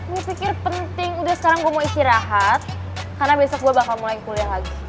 mikir penting udah sekarang gue mau istirahat karena besok gue bakal mulai kuliah lagi